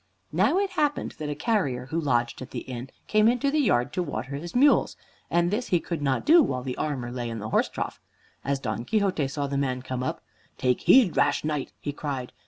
Now it happened that a carrier who lodged at the inn came into the yard to water his mules, and this he could not do while the armor lay in the horse trough. As Don Quixote saw the man come up, "Take heed, rash Knight," he cried.